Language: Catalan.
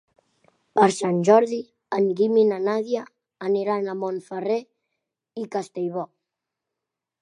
Per Sant Jordi en Guim i na Nàdia aniran a Montferrer i Castellbò.